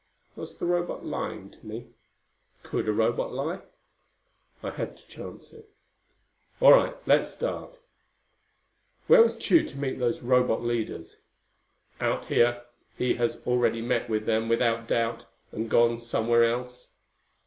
Was the Robot lying to me? Could a Robot lie? I had to chance it. "All right, let's start. Where was Tugh to meet those Robot leaders?" "Out here. He has already met them without doubt, and gone somewhere else."